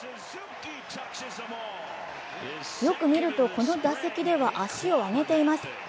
よく見るとこの打席では足を上げています。